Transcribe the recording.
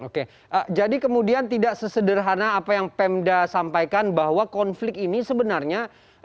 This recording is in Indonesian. oke jadi kemudian tidak sesederhana apa yang pemda sampaikan bahwa konflik ini sebenarnya